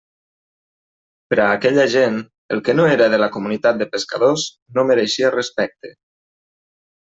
Per a aquella gent, el que no era de la Comunitat de Pescadors no mereixia respecte.